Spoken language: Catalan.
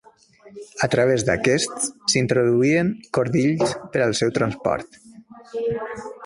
A través d'aquests s'introduïen cordills per al seu transport.